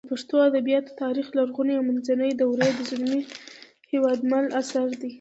د پښتو ادبیاتو تاریخ لرغونې او منځنۍ دورې د زلمي هېوادمل اثر دی